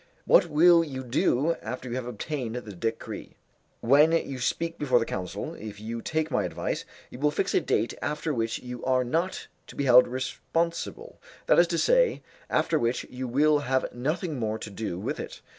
What will you do after you have obtained the decree? When you speak before the council, if you take my advice, you will fix a date after which you are not to be held responsible that is to say, after which you will have nothing more to do with it.